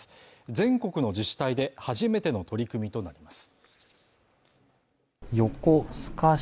全国の自治体で初めての取り組みとなります。